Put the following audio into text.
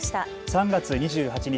３月２８日